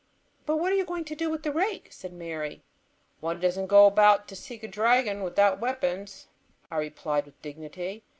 "But what are you going to do with the rake?" said Mary. "One doesn't go to seek a dragon without weapons," I replied with dignity.